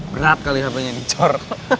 berat kali hpnya ini cor